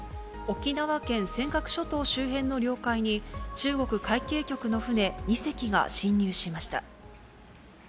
沖縄県尖閣諸島周辺の領海に、中国海警局の船２隻が侵入しました。